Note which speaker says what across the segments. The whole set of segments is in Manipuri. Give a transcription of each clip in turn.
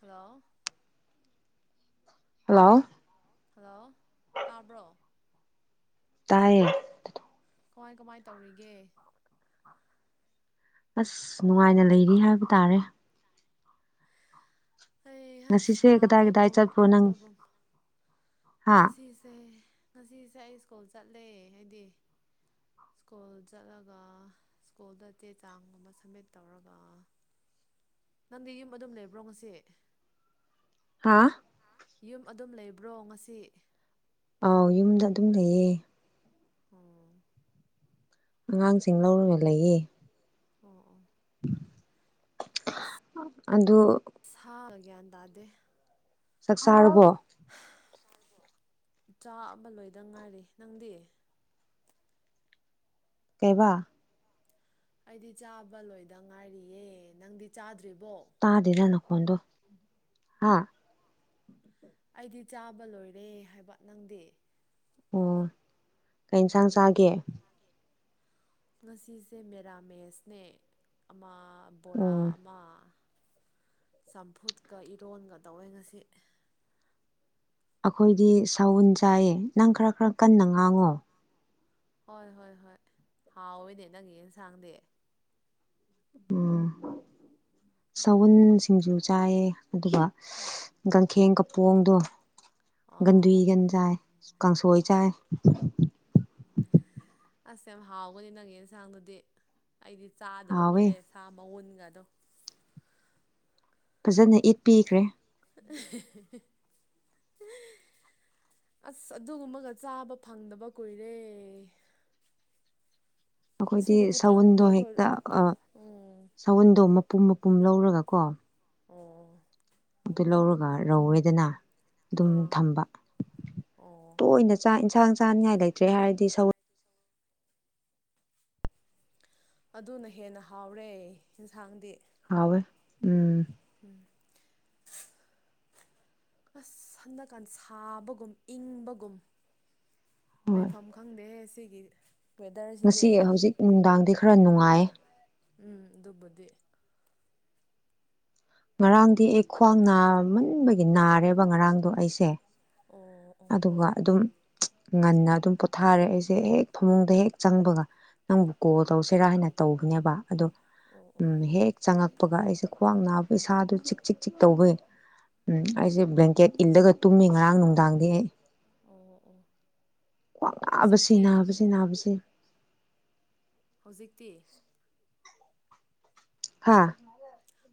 Speaker 1: ꯍꯜꯂꯣ
Speaker 2: ꯍꯜꯂꯣ
Speaker 1: ꯍꯜꯂꯣ ꯇꯥꯕ꯭ꯔꯣ
Speaker 2: ꯇꯥꯏꯌꯦ
Speaker 1: ꯀꯃꯥꯏ ꯀꯃꯥꯏ ꯇꯧꯔꯤꯒꯦ
Speaker 2: ꯑꯁ ꯅꯨꯡꯉꯥꯏꯅ ꯂꯩꯔꯤ ꯍꯥꯏꯕ ꯇꯥꯔꯦ
Speaker 1: ꯑꯩ
Speaker 2: ꯉꯁꯤꯁꯦ ꯀꯗꯥꯏ ꯀꯗꯥꯏ
Speaker 1: ꯁꯥꯕꯒꯨꯝ
Speaker 2: ꯆꯠꯄ꯭ꯔꯣ ꯅꯪ ꯍꯥ
Speaker 1: ꯍꯧꯁꯤꯁꯦ ꯉꯁꯤꯁꯦ ꯑꯩ ꯁ꯭ꯀꯨꯜ ꯆꯠꯂꯦ ꯍꯥꯏꯗꯤ ꯁ꯭ꯀꯨꯜ ꯆꯠꯂꯒ ꯁ꯭ꯀꯨꯜꯗ ꯇꯦ ꯆꯥꯡꯒꯨꯝꯕ ꯁꯝꯃꯤꯠ ꯇꯧꯔꯒ ꯅꯪꯗꯤ ꯌꯨꯝ ꯑꯗꯨꯝ ꯂꯩꯕ꯭ꯔꯣ ꯉꯁꯤ
Speaker 2: ꯍꯥꯥ
Speaker 1: ꯌꯨꯝ ꯑꯗꯨꯝ ꯂꯩꯕ꯭ꯔꯣ ꯉꯁꯤ
Speaker 2: ꯑꯥꯎ ꯌꯨꯝꯗ ꯑꯗꯨꯝ ꯂꯩꯌꯦ
Speaker 1: ꯎꯝ
Speaker 2: ꯑꯉꯥꯡꯁꯤꯡ ꯂꯧꯔꯒ ꯂꯩꯌꯦ
Speaker 1: ꯑꯣ ꯑꯣꯝ
Speaker 2: ꯎꯝ ꯑꯗꯨ
Speaker 1: ꯒꯌ꯭ꯥꯟ ꯇꯗꯦ
Speaker 2: ꯆꯥꯛ ꯆꯥꯔꯕꯣ
Speaker 1: ꯆꯥꯕ ꯂꯣꯏꯗ ꯉꯥꯏꯔꯤ ꯅꯪꯗꯤ
Speaker 2: ꯀꯦꯕ
Speaker 1: ꯑꯩꯗꯤ ꯆꯥꯕ ꯂꯣꯏꯗ ꯉꯥꯏꯔꯤꯌꯦ ꯅꯪꯗꯤ ꯆꯥꯗ
Speaker 2: ꯇꯥꯗꯦꯗ ꯅꯈꯣꯟꯗꯨ ꯑꯥ
Speaker 1: ꯑꯩꯗꯤ ꯆꯥꯕ ꯂꯣꯏꯔꯦ ꯍꯥꯏꯕ ꯅꯪꯗꯤ
Speaker 2: ꯑꯣ ꯀꯩ ꯏꯟꯁꯥꯡ ꯆꯥꯒꯦ
Speaker 1: ꯉꯁꯤꯁꯦ ꯃꯦꯔꯥꯃꯦꯁꯅꯦ ꯑꯃ
Speaker 2: ꯑꯣ
Speaker 1: ꯕꯣꯔꯥ ꯑꯃ ꯆꯝꯐꯨꯠꯀ ꯏꯔꯣꯟꯒ ꯇꯧꯋꯦ ꯉꯁꯤ
Speaker 2: ꯑꯩꯈꯣꯏꯗꯤ ꯁꯎꯟ ꯆꯥꯏꯌꯦ ꯅꯪ ꯈꯔ ꯈꯔ ꯀꯟꯅ ꯉꯥꯡꯉꯣ
Speaker 1: ꯍꯣꯏ ꯍꯣꯏ ꯍꯣꯏ ꯍꯥꯎꯋꯏꯅꯦ ꯅꯪꯒꯤ ꯌꯦꯟꯁꯥꯡꯗꯤ
Speaker 2: ꯎꯝ ꯁꯎꯟ ꯁꯤꯡꯖꯨ ꯆꯥꯏꯌꯦ ꯑꯗꯨꯒ
Speaker 1: ꯑꯁ
Speaker 2: ꯒꯪꯈꯦꯡ ꯄꯣꯡꯗꯣ ꯟꯗꯨꯏ
Speaker 1: ꯑꯣ
Speaker 2: ꯟꯖꯥ ꯀꯥꯡꯁꯣꯏ ꯆꯥꯏ
Speaker 1: ꯑꯁ ꯌꯥꯝ ꯍꯥꯎꯒꯅꯤ ꯅꯪꯒꯤ ꯑꯦꯟꯁꯥꯡꯗꯨꯗꯤ ꯑꯩꯗꯤ ꯆꯥꯗꯕ
Speaker 2: ꯍꯥꯎꯋꯦ
Speaker 1: ꯀꯨꯏꯔꯦ ꯁꯥ ꯃꯎꯟ ꯑꯗꯨꯃ
Speaker 2: ꯐꯖꯅ ꯏꯠꯄꯤꯈ꯭ꯔꯦ
Speaker 1: ꯑꯁ ꯑꯗꯨꯒꯨꯝꯕꯒ ꯆꯥꯕ ꯐꯪꯗꯕ ꯀꯨꯏꯔꯦ
Speaker 2: ꯑꯩꯈꯣꯏꯗꯤ
Speaker 1: ꯑꯁꯤꯗꯗꯤ ꯐꯪꯗꯦ
Speaker 2: ꯁꯎꯟꯗꯣ
Speaker 1: ꯑꯩꯈꯣꯏ
Speaker 2: ꯍꯦꯛꯇ
Speaker 1: ꯎꯝ
Speaker 2: ꯁꯎꯟꯗꯣ ꯄꯨꯝ ꯃꯄꯨꯝ ꯂꯧꯔꯒ ꯀꯣ
Speaker 1: ꯑꯣ
Speaker 2: ꯑꯗꯨ ꯂꯧꯔꯒ ꯔꯧꯋꯦꯗꯅ ꯑꯗꯨꯝ
Speaker 1: ꯑꯥ
Speaker 2: ꯊꯝꯕ
Speaker 1: ꯑꯣ
Speaker 2: ꯇꯣꯏꯅ ꯆꯥꯛꯟ ꯍꯥꯡ ꯆꯥꯅꯤꯡꯉꯥꯏ ꯂꯩꯇ꯭ꯔꯦ ꯍꯥꯏꯔꯗꯤ ꯁꯒ
Speaker 1: ꯑꯗꯨꯅ ꯍꯦꯟꯅ ꯍꯥꯎꯔꯦ ꯌꯦꯟꯁꯥꯡꯗꯤ
Speaker 2: ꯍꯋꯦ ꯎꯝ
Speaker 1: ꯎꯝ ꯑꯁ ꯍꯅꯗꯀꯥꯟꯗ ꯁꯥꯕꯒꯨꯝ ꯏꯪꯕꯒꯨꯝ
Speaker 2: ꯍꯣꯏ
Speaker 1: ꯂꯩꯐꯝ ꯈꯪꯗꯦꯍꯦ ꯁꯤ ꯒꯤ
Speaker 2: ꯉꯁꯤ ꯍꯧꯖꯤꯛ ꯅꯨꯡꯗꯥꯡꯗꯤ ꯈꯔ ꯅꯨꯡꯉꯥꯏ
Speaker 1: ꯎꯝ ꯗꯨꯕꯨꯗꯤ
Speaker 2: ꯉꯔꯥꯡꯗꯤ ꯑꯩ ꯈ꯭ꯋꯥꯡ ꯅꯥꯝꯃꯟꯕꯒꯤ ꯅꯥꯔꯦꯕ ꯉꯔꯥꯡꯗꯣ ꯑꯩꯁꯦ
Speaker 1: ꯑꯣ ꯑꯣ
Speaker 2: ꯑꯗꯨꯒ ꯑꯗꯨꯝ ꯉꯟꯅ ꯑꯗꯨꯝ ꯄꯣꯊꯥꯔꯦ ꯑꯩꯁꯦ ꯍꯦꯛ ꯐꯃꯨꯡꯗ ꯍꯦꯛ ꯆꯪꯕꯒ ꯅꯪꯕꯨ ꯀꯣꯜ ꯇꯧꯁꯤꯔꯥ ꯍꯥꯏꯅ ꯇꯧꯕꯅꯦꯕ ꯑꯗꯣ
Speaker 1: ꯑꯣ ꯑꯣ
Speaker 2: ꯍꯦꯛꯦꯛ ꯆꯪꯉꯛꯄꯒ ꯑꯩꯁꯦ ꯈ꯭ꯋꯥꯡ ꯅꯥꯕ ꯏꯁꯥꯗꯨ ꯆꯤꯛ ꯆꯤꯛ ꯆꯤꯛ ꯇꯧꯋꯤ ꯎꯝ ꯑꯩꯁꯦ ꯕ꯭ꯂꯦꯡꯀꯦꯠ ꯏꯜꯂꯒ ꯇꯨꯝꯃꯤ ꯉꯔꯥꯡ ꯅꯨꯡꯗꯥꯡ ꯑ
Speaker 1: ꯑꯣ ꯑꯣ
Speaker 2: ꯀꯥꯛ ꯅꯥꯕꯁꯤ
Speaker 1: ꯍꯧꯖꯤꯛꯇꯤ
Speaker 2: ꯅꯥꯕꯁꯤ ꯅꯥꯕꯁꯤ
Speaker 1: ꯍꯧꯖꯤꯛꯇꯤ
Speaker 2: ꯍꯥꯥ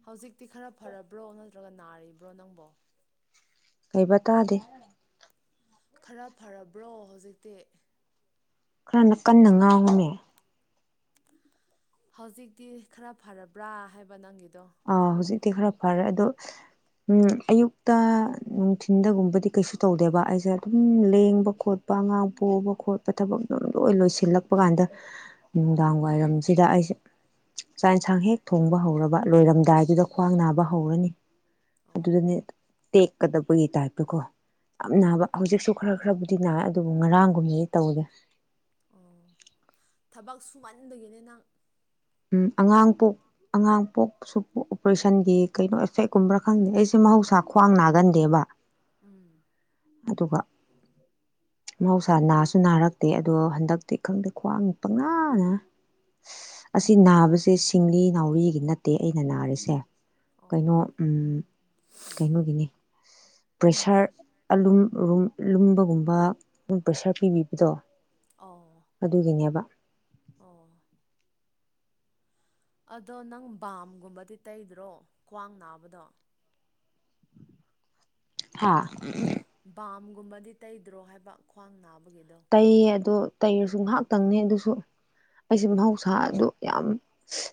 Speaker 1: ꯍꯧꯖꯤꯛꯇꯤ ꯈꯔ ꯐꯔꯕ꯭ꯔꯣ ꯅꯠꯇ꯭ꯔꯒ ꯅꯥꯔꯤꯕ꯭ꯔꯣ ꯅꯪꯕꯣ
Speaker 2: ꯀꯩꯕꯇꯥꯗꯦ
Speaker 1: ꯈꯔ ꯐꯔꯕ꯭ꯔꯣ ꯍꯧꯖꯤꯛꯇꯤ
Speaker 2: ꯈꯔꯅ ꯀꯟꯅ ꯉꯥꯡꯉꯃꯦ
Speaker 1: ꯍꯧꯖꯤꯛꯇꯤ ꯈꯔ ꯐꯔꯕ꯭ꯔꯥ ꯍꯥꯏꯕ ꯅꯪꯒꯤꯗ ꯠꯇꯣꯡ
Speaker 2: ꯍꯧꯛꯇꯤ ꯈꯔ ꯐꯔꯦ ꯑꯗꯣ ꯑꯌꯨꯛꯇ ꯅꯨꯡꯊꯤꯟꯗꯒꯨꯝꯕꯗꯤ ꯀꯩꯁꯨ ꯇꯧꯗꯦꯕ ꯑꯩꯁꯦ ꯑꯗꯨꯝ ꯂꯦꯡꯕ ꯈꯣꯠꯄ ꯑꯉꯥꯡ ꯄꯣꯛꯕ ꯈꯣꯠꯄ ꯊꯕꯛ ꯂꯣꯏ ꯂꯣꯏꯁꯤꯜꯂꯛꯄ ꯀꯥꯟꯗ ꯅꯨꯡꯗꯥꯡ ꯋꯥꯏꯔꯝꯁꯤꯗ ꯑꯩꯁꯦ ꯆꯥꯛ ꯌꯦꯟꯁꯥꯡ ꯍꯦꯛ ꯊꯣꯡꯕ ꯍꯧꯔꯕ ꯂꯣꯏꯔꯝꯦ ꯗꯥꯏꯗꯨꯗ ꯈ꯭ꯋꯥꯡ
Speaker 1: ꯎꯝ
Speaker 2: ꯅꯥꯕ ꯍꯧꯔꯅꯤ
Speaker 1: ꯑꯣ
Speaker 2: ꯑꯗꯨꯗꯅꯦ ꯇꯦꯛꯀꯗꯕꯒꯤ ꯇꯥꯏꯞꯇꯨꯀꯣ ꯌꯥꯝ ꯅꯥꯕ ꯍꯧꯖꯤꯛꯁꯨ ꯈꯔ ꯈꯔꯕꯨꯗꯤ ꯅꯥꯦ ꯑꯗꯨꯕꯨ ꯉꯔꯥꯡꯒꯨꯝꯕꯗꯤ ꯇꯧꯗꯦ
Speaker 1: ꯑꯣ ꯊꯕꯛ ꯁꯨꯃꯟꯕꯗꯒꯤꯅꯦ ꯅꯪ
Speaker 2: ꯎ ꯑꯉꯥꯡ ꯄꯣꯛ ꯑꯉꯥꯡ ꯄꯣꯛꯁꯨ ꯑꯣꯄꯔꯦꯁꯟꯒꯤ ꯀꯩꯅꯣ ꯑꯦꯐꯦꯛꯀꯨꯝꯕ꯭ꯔꯥ ꯈꯪꯗꯦ ꯑꯩꯁꯦ ꯃꯍꯧꯁꯥ ꯈ꯭ꯋꯥꯡ ꯅꯥꯒꯟꯗꯦꯕ
Speaker 1: ꯎꯝ
Speaker 2: ꯑꯗꯨꯒ ꯃꯍꯧꯁꯥ ꯅꯥꯁꯨ ꯅꯥꯔꯛꯇꯦ ꯑꯗꯣ ꯍꯟꯗꯛꯇꯤ ꯈꯪꯗꯦ ꯈ꯭ꯋꯥꯡ ꯄꯪꯅꯥꯅ ꯑꯁꯤ
Speaker 1: ꯑꯣ
Speaker 2: ꯅꯥꯕꯁꯦ
Speaker 1: ꯑꯣ
Speaker 2: ꯁꯤꯡꯂꯤ ꯅꯥꯎꯔꯤꯒꯤ ꯅꯠꯇꯦ ꯑꯩꯅ ꯅꯥꯔꯤꯁꯦ ꯀꯩꯅꯣ ꯀꯩꯅꯣꯒꯤꯅꯤ [inaudible] ꯄ꯭ꯔꯦꯁꯥꯔ ꯑꯂꯨꯝ ꯔꯨꯝ ꯂꯨꯝꯕꯒꯨꯝꯕ ꯑꯗꯨ ꯄ꯭ꯔꯦꯁꯔ ꯄꯤꯕꯤꯕꯗꯣ
Speaker 1: ꯑꯣ
Speaker 2: ꯑꯗꯨꯒꯤꯅꯦꯕ
Speaker 1: ꯑꯣ ꯑꯗꯣ ꯅꯪ ꯕꯥꯝꯒꯨꯝꯕꯗꯤ ꯇꯩꯗ꯭ꯔꯣ ꯈ꯭ꯋꯥꯡ ꯅꯥꯕꯗꯣ
Speaker 2: ꯍꯥ
Speaker 1: ꯕꯥꯝꯒꯨꯝꯕꯗꯤ ꯇꯩꯗ꯭ꯔꯣ ꯍꯥꯏꯕ ꯈ꯭ꯋꯥꯡ ꯅꯥꯕ
Speaker 2: ꯇꯩꯌꯦ ꯑꯗꯨ ꯇꯩꯔꯁꯨ ꯉꯥꯏꯍꯥꯛꯇꯪꯅꯤ ꯑꯗꯨꯁꯨ ꯑꯩꯁꯦ ꯃꯍꯧꯁꯥ ꯑꯗꯨ ꯌꯥꯝ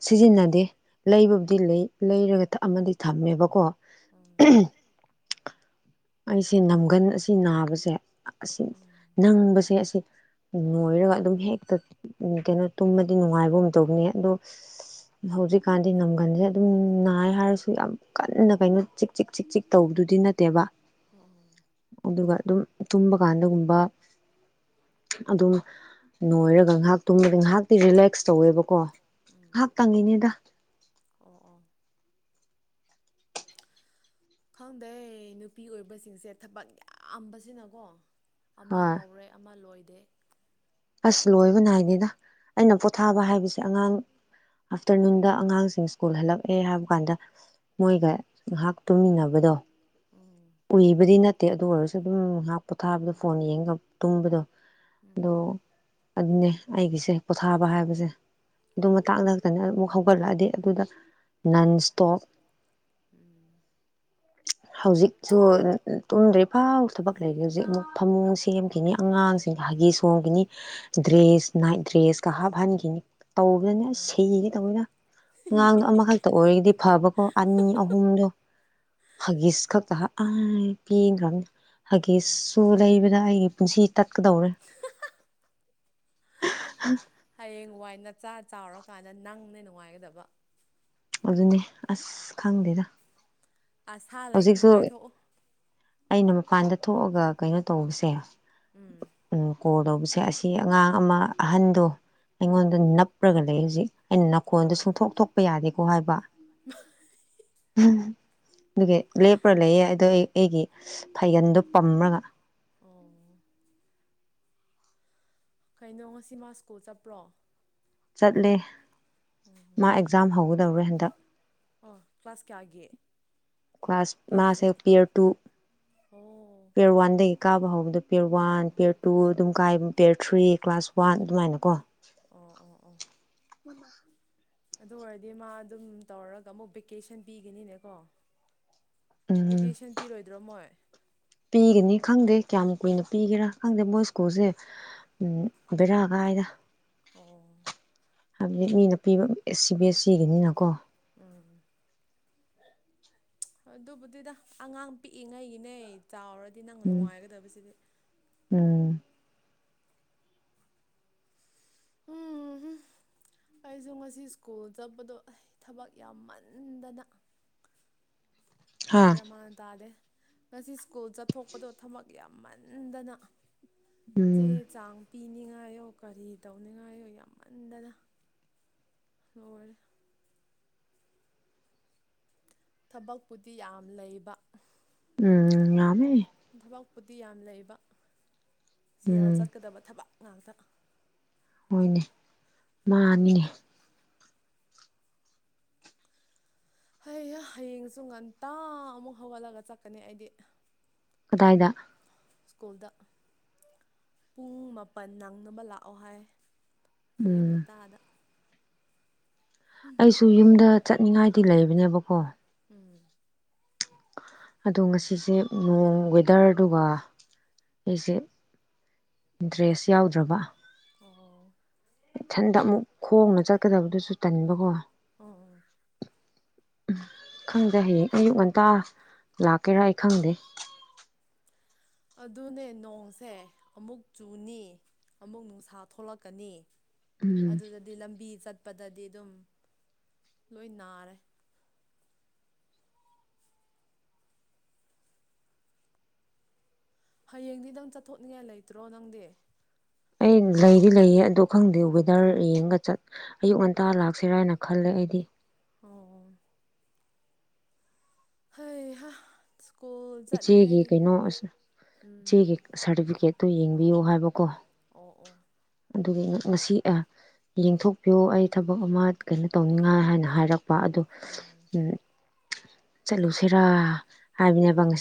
Speaker 2: ꯁꯤꯖꯤꯟꯅꯗꯦ ꯂꯩꯕꯕꯨꯗꯤ ꯂꯩ ꯂꯩꯔꯒ ꯑꯃꯗꯤ ꯊꯝꯃꯦꯕꯀꯣ
Speaker 1: ꯎꯝ
Speaker 2: ꯑꯝꯍꯨꯝ ꯑꯩꯁꯦ ꯅꯝꯒꯟ ꯑꯁꯤ ꯅꯥꯕꯁꯦ ꯑꯁꯤ ꯅꯪꯕꯁꯦ ꯑꯁꯤ ꯅꯣꯏꯔꯒ ꯑꯗꯨꯝ ꯍꯦꯛꯇ ꯀꯩꯅꯣ ꯇꯨꯝꯃꯗꯤ ꯅꯨꯡꯉꯥꯏꯕꯒꯨꯝ ꯇꯧꯅꯤ ꯑꯗꯣ ꯍꯧꯖꯤꯛꯀꯥꯟꯗꯤ ꯅꯝꯒꯟꯁꯦ ꯑꯗꯨꯝ ꯅꯥꯏ ꯍꯥꯏꯔꯁꯨ ꯌꯥꯝ ꯀꯟꯅ ꯀꯩꯅꯣ ꯆꯤꯛ ꯆꯤꯛ ꯆꯤꯛ ꯆꯤꯛ ꯇꯧꯕꯗꯨꯗꯤ ꯅꯠꯇꯦꯕ
Speaker 1: ꯑꯣ
Speaker 2: ꯑꯗꯨꯒ ꯑꯗꯨꯝ ꯇꯨꯝꯕ ꯀꯥꯟꯗꯒꯨꯝꯕ ꯑꯗꯨꯝ ꯅꯣꯏꯔꯒ ꯉꯥꯏꯍꯥꯛ ꯇꯨꯝꯕꯗ ꯉꯥꯏꯍꯥꯛꯇꯤ ꯔꯤꯂꯦꯛꯁ ꯇꯧꯋꯦꯕꯀꯣ
Speaker 1: ꯎꯝ
Speaker 2: ꯉꯥꯏꯍꯥꯛ ꯇꯪꯉꯤꯅꯦꯗ
Speaker 1: ꯑꯣ ꯑꯣ ꯈꯪꯗꯦ ꯅꯨꯄꯤ ꯑꯣꯏꯕꯁꯤꯡꯁꯦ ꯊꯕꯛ ꯌꯥꯝꯕꯁꯤꯅꯀꯣ ꯑꯃ ꯍꯧꯔꯦ ꯑꯃ ꯂꯣꯏꯗꯦ ꯦ
Speaker 2: ꯑꯁ ꯂꯣꯏꯕ ꯅꯥꯏꯗꯦꯗ ꯑꯩꯅ ꯑꯣꯊꯥꯕ ꯍꯥꯏꯕꯁꯦ ꯑꯉꯥꯡ ꯑꯥꯐꯇꯔꯅꯨꯟꯗ ꯑꯉꯥꯡꯁꯤꯡ ꯁ꯭ꯀꯨꯜ ꯍꯜꯂꯛꯑꯦ ꯍꯥꯏꯕ ꯀꯥꯟꯗ ꯃꯣꯏꯒ ꯉꯥꯏꯍꯥꯛ ꯇꯨꯝꯃꯤꯟꯅꯕꯗꯣ
Speaker 1: ꯎꯝ
Speaker 2: ꯎꯕꯗꯤ ꯅꯠꯇꯦ ꯑꯗꯨ ꯑꯣꯏꯔꯁꯨ ꯑꯗꯨꯝ ꯉꯥꯏꯍꯥꯛ ꯄꯣꯊꯥꯕꯗ ꯐꯣꯟ ꯌꯦꯡꯒ ꯇꯨꯡꯕꯗꯣ ꯑꯗꯣ ꯑꯗꯨꯅꯦ ꯑꯩꯒꯤꯁꯦ ꯄꯣꯊꯥꯕ ꯍꯥꯏꯕꯁꯦ ꯑꯗꯨ ꯃꯇꯥꯛ ꯂꯛꯇꯅ ꯑꯃꯨꯛ ꯍꯧꯒꯠꯂꯛꯑꯗꯤ ꯑꯗꯨꯗ ꯅꯟ ꯏꯁꯇꯣꯞ ꯍꯧꯖꯤꯛ ꯁ ꯇꯨꯝꯗ꯭ꯔꯦ ꯏꯐꯥꯎ ꯊꯕꯛ ꯂꯩꯔꯤꯦ ꯍꯧꯖꯤꯛ ꯑꯃꯨꯛ ꯐꯃꯨꯡ ꯁꯦꯝꯈꯤꯅꯤ ꯑꯉꯥꯡꯁꯤꯡ ꯍꯒꯤ ꯁꯣꯡꯈꯤꯅꯤ ꯗ꯭ꯔꯦꯁ ꯅꯥꯏꯠ ꯗ꯭ꯔꯦꯁꯀ ꯍꯥꯞꯍꯟꯈꯤꯅꯤ ꯇꯧꯕꯗꯅ ꯁꯤꯒꯦ ꯇꯧꯕꯅꯤꯅ ꯑꯉꯥꯡꯗꯣ ꯑꯃꯈꯛꯇ ꯑꯣꯏꯔꯒꯗꯤ ꯐꯕꯀꯣ ꯑꯅꯤ ꯑꯍꯨꯝꯗꯣ ꯍꯒꯁ ꯈꯇ ꯄꯤꯅꯤ ꯍꯥꯏꯒꯤ ꯁꯁꯨ ꯂꯩꯕꯗ ꯑꯩꯒꯤ ꯄꯨꯟꯁꯤ ꯇꯠꯀꯗꯧꯔꯦ
Speaker 1: ꯍꯋꯥꯏ ꯅꯆꯥ ꯆꯥꯎꯔꯀꯥꯟꯗ ꯅꯪꯅ ꯅꯨꯡꯉꯥꯏꯒꯗꯕ
Speaker 2: ꯑꯗꯨꯅꯦ ꯑꯁ ꯈꯪꯗꯦꯗ
Speaker 1: ꯑꯁꯥ ꯂꯩ
Speaker 2: ꯍꯧꯖꯤꯛꯁꯨ
Speaker 1: ꯅꯨꯡꯉꯥꯏꯊꯣꯛꯎ
Speaker 2: ꯑꯩꯅ ꯃꯄꯥꯟꯗ ꯊꯣꯛꯑꯒ ꯀꯩꯅꯣ ꯇꯧꯕꯁꯦ
Speaker 1: ꯎꯝ
Speaker 2: ꯑꯣ ꯀꯣꯔ ꯇꯧꯕꯁꯦ ꯑꯁꯤ ꯑꯉꯥꯡ ꯑꯃ ꯑꯍꯟꯗꯣ ꯍꯉꯣꯟ
Speaker 1: ꯎꯝ
Speaker 2: ꯅꯄ꯭ꯔꯒꯜ ꯃꯌꯨꯖꯤꯛ ꯑꯩꯅ ꯅꯥꯀꯣꯟꯗꯣ
Speaker 1: ꯑꯣ
Speaker 2: ꯁꯨꯡꯊꯣꯛ ꯊꯣꯛꯄ ꯌꯥꯗꯦꯀꯣ ꯍꯥꯏꯕ ꯎꯝ ꯑꯗꯨꯒꯤ ꯂꯦꯞꯄ꯭ꯔꯥ ꯂꯩꯌꯦ ꯑꯗꯣ ꯑꯩ ꯑꯩꯒꯤ ꯐꯩꯒꯟꯗꯣ ꯄꯝ꯭ꯔꯒ
Speaker 1: ꯑꯣ ꯀꯩꯅꯣ ꯉꯁꯤ ꯃꯥ ꯁ꯭ꯀꯨꯜ ꯆꯠꯄ꯭ꯔꯣ
Speaker 2: ꯆꯠꯂꯦ ꯃꯥ ꯑꯦꯛꯖꯝ ꯍꯧ ꯂꯧꯔꯦ ꯍꯟꯗꯛ
Speaker 1: ꯑꯣ ꯀ꯭ꯂꯥꯁ ꯀꯌꯥꯒꯦ
Speaker 2: ꯀ꯭ꯂꯥꯁ ꯃꯥꯁꯦ ꯄꯦꯌꯔ ꯇꯨ
Speaker 1: ꯑꯣ
Speaker 2: ꯄꯦꯌꯔ ꯋꯥꯟꯗꯒꯤ ꯀꯥꯕ ꯍꯧꯕꯗ ꯄꯤꯌꯔ
Speaker 1: ꯑꯣ
Speaker 2: ꯋꯥꯟ ꯄꯤꯌꯔ ꯇꯨ ꯑꯗꯨꯝ ꯀꯥꯏ ꯄꯦꯌꯔ ꯊ꯭ꯔꯤ ꯀ꯭ꯂꯥꯁ ꯋꯥꯟ ꯑꯗꯨꯃꯥꯏꯅ ꯀꯣ
Speaker 1: ꯑꯣ ꯑꯣ ꯑꯣ
Speaker 2: ꯃꯅꯥ
Speaker 1: ꯑꯗꯨ ꯑꯣꯏꯔꯗꯤ ꯃꯥ ꯑꯗꯨꯝ ꯇꯧꯔꯒ ꯑꯃꯨꯛ ꯚꯦꯀꯦꯁꯟ ꯄꯤꯒꯅꯤꯅꯦꯀꯣ
Speaker 2: ꯎꯝ
Speaker 1: ꯚꯦꯀꯦꯁꯟ ꯄꯤꯔꯣꯏꯗ꯭ꯔꯣ ꯃꯣꯏ
Speaker 2: ꯄꯤꯒꯅꯤ ꯈꯪꯗꯦ ꯀꯌꯥꯝ ꯀꯨꯏꯅ ꯄꯤꯒꯦꯔꯥ ꯈꯪꯗꯦ ꯃꯣꯁꯀꯨꯁꯦ ꯕꯦꯔꯥ ꯀꯥꯏꯗ
Speaker 1: ꯑꯣ
Speaker 2: ꯍꯥꯏꯕꯗꯤ ꯃꯤ ꯅꯨꯄꯤ ꯑꯦꯁ ꯁꯤ ꯕꯤ ꯑꯦꯁ ꯁꯤꯒꯤꯅꯤꯅꯀꯣ
Speaker 1: ꯎꯝ ꯑꯗꯨꯕꯨꯗꯨꯗ ꯑꯉꯥꯡ ꯄꯤꯛꯏꯉꯩꯒꯤꯅꯦ ꯆꯥꯎꯔꯗꯤ ꯗꯤ ꯅꯪ
Speaker 2: ꯎꯝ
Speaker 1: ꯅꯨꯡꯉꯥꯏꯒꯗꯕꯁꯤꯗꯤ
Speaker 2: ꯎꯝ
Speaker 1: ꯎꯝ ꯑꯩꯁꯨ ꯉꯁꯤ ꯁ꯭ꯀꯨꯜ ꯆꯠꯄꯗꯣ ꯊꯕꯛ ꯌꯥꯝꯃꯟꯗꯅ
Speaker 2: ꯍꯥ
Speaker 1: ꯌꯥꯃꯥꯟ ꯇꯗꯦ ꯉꯁꯤ ꯁ꯭ꯀꯨꯜ ꯆꯠꯊꯣꯛꯄꯗꯣ ꯊꯕꯛ ꯌꯥꯝꯃꯟꯗꯅ ꯆꯦ
Speaker 2: ꯎꯝ
Speaker 1: ꯆꯥꯡ ꯄꯤꯅꯤꯡꯉꯥꯏ ꯉꯥꯏꯌꯣ ꯀꯔꯤ ꯇꯧꯅꯤꯡꯉꯥꯏꯣ ꯌꯥꯝꯃꯟꯗꯅ ꯂꯣꯏꯔꯦ ꯊꯕꯛꯄꯨꯗꯤ ꯌꯥꯝ ꯂꯩꯕ
Speaker 2: ꯎꯝ ꯉꯃꯦ
Speaker 1: ꯊꯕꯛꯄꯨꯗꯤ ꯌꯥꯝ ꯂꯩꯕ ꯁꯦꯜ
Speaker 2: ꯎꯝ
Speaker 1: ꯆꯠꯀꯗꯕ ꯊꯕꯛ ꯉꯅꯥꯥꯛꯇ
Speaker 2: ꯍꯣꯏꯅꯦ ꯃꯥꯅꯤꯅꯦ
Speaker 1: ꯍꯌꯦ ꯍꯌꯦꯡꯁꯨ ꯉꯟꯇꯥ ꯑꯃꯨꯛ ꯍꯧꯒꯠꯂꯒ ꯆꯠꯀꯅꯤ ꯑꯩꯗꯤ
Speaker 2: ꯀꯗꯥꯏꯗ
Speaker 1: ꯁ꯭ꯀꯨꯜꯗ ꯄꯨꯡ ꯃꯥꯄꯜ ꯅꯪꯅꯕ ꯂꯥꯛꯑꯣ ꯍꯥꯏ ꯑꯌꯨꯛ
Speaker 2: ꯎꯝ
Speaker 1: ꯉꯟꯇꯥꯗ
Speaker 2: ꯑꯩꯁꯨ ꯌꯨꯝꯗ ꯆꯠꯅꯤꯡꯉꯥꯏ ꯇꯤ ꯂꯩꯕꯅꯦꯕꯀꯣ
Speaker 1: ꯎꯝ
Speaker 2: ꯑꯗꯣ ꯉꯁꯤꯁꯦ ꯅꯣꯡ ꯋꯦꯗꯔꯗꯨꯒ ꯑꯩꯁꯦ ꯏꯟꯇꯔꯦꯁ ꯌꯥꯎꯗ꯭ꯔꯕ
Speaker 1: ꯑꯣ
Speaker 2: ꯏꯊꯟꯗ ꯑꯃꯨꯛ ꯈꯣꯡꯅ ꯆꯠꯀꯗꯕꯗꯨꯁꯨ ꯇꯟꯕꯀꯣ
Speaker 1: ꯑꯣꯝ
Speaker 2: ꯎꯝ ꯈꯪꯗꯦ ꯍꯌꯦꯡ ꯑꯌꯨꯛ ꯉꯟꯇꯥ ꯂꯥꯛꯀꯦꯔꯥ ꯑꯩ ꯈꯪꯗꯦ
Speaker 1: ꯑꯗꯨꯅꯦ ꯅꯣꯡꯁꯦ ꯑꯃꯨꯛ ꯆꯨꯅꯤ ꯑꯃꯨꯛ ꯅꯨꯡꯁꯥ ꯊꯣꯛꯂꯛꯀꯅꯤ
Speaker 2: ꯎꯝ
Speaker 1: ꯑꯗꯨꯗꯗꯤ ꯂꯝꯕꯤ ꯆꯠ ꯆꯠꯄꯗꯗꯤ ꯑꯗꯨꯝ ꯂꯣꯏ ꯅꯥꯔꯦ ꯍꯌꯦꯡꯗꯤ ꯅꯪ ꯆꯠꯊꯣꯛꯅꯤꯡꯉꯥꯏ ꯂꯩꯇ꯭ꯔꯣ ꯅꯪꯗꯤ
Speaker 2: ꯑꯩ ꯂꯩꯗꯤ ꯂꯩꯌꯦ ꯑꯗ ꯈꯪꯗꯦ ꯋꯦꯗꯔ ꯌꯦꯡꯉꯒ ꯆꯠ ꯑꯌꯨꯛ ꯉꯟꯇꯥ ꯂꯥꯛꯁꯤꯔꯥꯅ ꯈꯜꯂꯦ ꯑꯩꯗꯤ
Speaker 1: ꯑꯣ ꯍꯌꯦ ꯍ
Speaker 2: ꯏꯆꯦꯒꯤ ꯀꯩꯅꯣ
Speaker 1: ꯎꯝ
Speaker 2: ꯏꯆꯦꯒꯤ ꯁꯥꯔꯇꯤꯐꯤꯀꯦꯠ ꯑꯣ ꯌꯦꯡꯕꯤꯌꯣ ꯍꯥꯏꯕꯀꯣ
Speaker 1: ꯑꯣ ꯑꯣ
Speaker 2: ꯑꯗꯨꯒꯤ ꯉꯁꯤ ꯑꯦ ꯌꯦꯡꯊꯣꯛꯄꯤꯌꯣ ꯑꯩ ꯊꯕꯛ ꯑꯃ ꯀꯩꯅꯣ ꯇꯧꯅꯤꯡꯉꯥꯏ ꯍꯥꯏꯅ ꯍꯥꯏꯔꯛ ꯄ ꯑꯗꯨ
Speaker 1: ꯑꯣ
Speaker 2: ꯆꯠꯂꯨꯁꯤꯔ ꯍꯥꯏ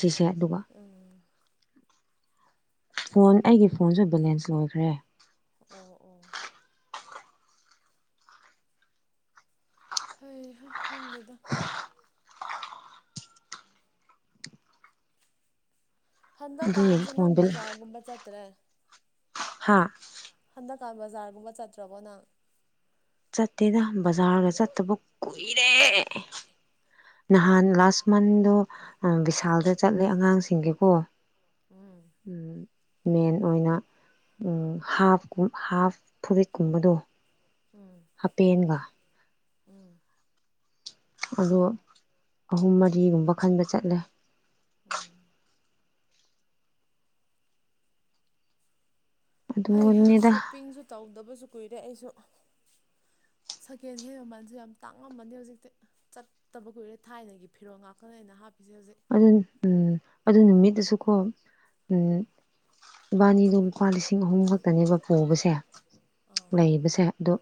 Speaker 2: ꯁꯤꯁꯦ ꯑꯗꯨꯒ
Speaker 1: ꯎꯝ
Speaker 2: ꯐꯣꯟ ꯑꯩꯒꯤ ꯐꯣꯟꯁꯨ ꯕꯦꯂꯦꯟꯁ ꯂꯣꯏꯈ꯭ꯔꯦ
Speaker 1: ꯑꯣ ꯑꯣ ꯍꯩ ꯍꯥ ꯈꯪꯗꯦꯗ ꯍꯟꯗꯒ
Speaker 2: ꯑꯗꯨꯒꯤ
Speaker 1: ꯀꯥꯟꯁꯤꯅ
Speaker 2: ꯐꯣꯟꯗ
Speaker 1: ꯕꯖꯥꯔꯒꯨꯝꯕ ꯆꯠꯇ꯭ꯔꯦ
Speaker 2: ꯍꯥꯥ
Speaker 1: ꯍꯟꯇꯛ ꯀꯥꯟ ꯕꯖꯥꯔꯒꯨꯝꯕ ꯆꯠꯇ꯭ꯔꯕꯣ ꯅꯪ
Speaker 2: ꯆꯠꯇꯦꯗ ꯕꯖꯥꯔꯒ ꯆꯠꯇꯕ ꯀꯨꯏꯔꯦ ꯅꯍꯥꯟ ꯂꯥꯁ ꯃꯟꯗꯣ ꯕꯤꯁꯥꯜꯗ ꯆꯠꯂꯦ ꯑꯉꯥꯡꯁꯤꯡꯒꯤꯀꯣ
Speaker 1: ꯎꯝ
Speaker 2: ꯃꯦꯟ ꯑꯣꯏꯅ ꯍꯥꯐ ꯍꯥꯐ ꯐꯨꯔꯤꯠꯀꯨꯝꯕꯗꯣ
Speaker 1: ꯎꯝ
Speaker 2: ꯍꯥꯄꯦꯟꯒ
Speaker 1: ꯎꯝ
Speaker 2: ꯑꯗꯣ ꯑꯍꯨꯝ ꯃꯔꯤꯒꯨꯝꯕ ꯈꯟꯕ ꯆꯠꯂꯦ
Speaker 1: ꯎꯝ ꯍꯩ
Speaker 2: ꯑꯗꯨꯅꯦꯗ
Speaker 1: ꯁꯣꯞꯄꯤꯡꯁꯨ ꯇꯧꯗꯕꯁꯨ ꯀꯨꯏꯔꯦ ꯑꯩꯁꯨ ꯁꯀꯦꯟ ꯍꯦꯟ ꯃꯃꯜꯁꯨ ꯌꯥꯝ ꯇꯥꯡꯉꯝꯃꯅꯤ ꯍꯧꯖꯤꯛꯇꯤ ꯆꯠꯇꯕ ꯀꯨꯏꯔꯦ ꯊꯥꯏꯅꯒꯤ ꯐꯤꯔꯣꯜ ꯉꯥꯛꯇꯅꯦ ꯑꯩꯅ ꯍꯥꯞ
Speaker 2: ꯑꯗꯨꯅꯤ ꯎꯝ ꯑꯗꯨ ꯅꯨꯃꯤꯠ ꯑꯗꯨꯁꯨꯀꯣ ꯏꯕꯥꯅꯤꯗꯣ ꯂꯨꯄꯥ ꯂꯤꯁꯤꯡ ꯑꯍꯨꯝ ꯈꯛꯇꯅꯦꯕ ꯄꯨꯕꯁꯦ
Speaker 1: ꯑꯥ
Speaker 2: ꯂꯩꯕꯁꯦ ꯑꯗꯣ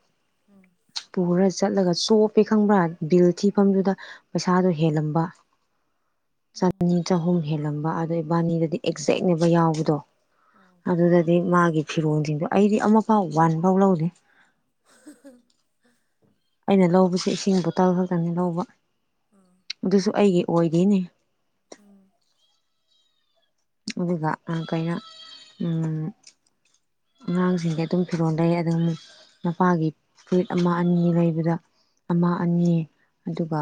Speaker 1: ꯎꯝ
Speaker 2: ꯄꯨꯔ ꯆꯠꯂꯒ ꯆꯣꯞꯄꯦ ꯈꯪꯕ꯭ꯔꯥ ꯕꯤꯜ ꯊꯤꯐꯝꯗꯨꯗ ꯄꯩꯁꯥꯗꯣ ꯍꯦꯜꯂꯝꯕ ꯆꯅꯤ
Speaker 1: ꯎꯝ
Speaker 2: ꯆꯍꯨꯝ ꯍꯦꯜꯂꯝꯕ ꯑꯗꯣ ꯏꯕꯥꯅꯤꯗꯗꯤ ꯑꯦꯛꯖꯦꯛꯅꯦꯕ ꯌꯥꯎꯕꯗꯣ
Speaker 1: ꯑꯣ
Speaker 2: ꯑꯗꯨꯗꯗꯤ ꯃꯥꯒꯤ ꯐꯤꯔꯣꯜꯁꯤꯡꯗꯣ ꯑꯩꯗꯤ ꯑꯃꯐꯥꯎ ꯋꯥꯟ ꯐꯥꯎ ꯂꯧꯗꯦ
Speaker 1: [inaudible]
Speaker 2: ꯑꯩꯅ ꯂꯧꯕꯁꯤ ꯏꯁꯤꯡ ꯕꯣꯇꯜ ꯈꯛꯇꯅꯤ ꯂꯧꯕ
Speaker 1: ꯑꯥ
Speaker 2: ꯑꯗꯨꯁꯨ ꯑꯩꯒꯤ ꯑꯣꯏꯗꯦꯅꯦ
Speaker 1: ꯎꯝ
Speaker 2: ꯑꯗꯨꯒ ꯑ ꯀꯩꯅ ꯑꯉꯥꯡꯁꯤꯡꯗꯤ ꯑꯗꯨꯝ ꯐꯤꯔꯣꯜ ꯂꯩ ꯑꯗꯨ ꯃꯄꯥꯒꯤ ꯐꯨꯔꯤꯠ ꯑꯃ ꯑꯅꯤ ꯂꯩꯕꯗ ꯑꯃ ꯑꯅꯤ ꯑꯗꯨꯒ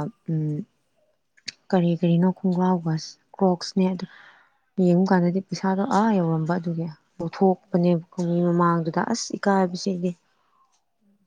Speaker 2: ꯀꯔꯤ ꯀꯔꯤꯅꯣ ꯈꯣꯡꯒ꯭ꯔꯥꯎꯒ ꯀ꯭ꯔꯣꯛꯁꯅꯦ ꯑꯗꯨ ꯌꯦꯡꯉꯨ ꯀꯥꯟꯗꯗꯤ ꯄꯩꯁꯥꯗꯣ ꯑꯥ ꯌꯧꯔꯝꯕ ꯑꯗꯨꯒꯤ
Speaker 1: ꯑꯣ
Speaker 2: ꯂꯧꯊꯣꯛꯄꯅꯦꯕꯀꯣ ꯃꯃꯥꯡꯗꯨꯗ ꯑꯁ ꯏꯀꯥꯏꯕꯕꯁꯤꯗꯤ
Speaker 1: ꯎꯝ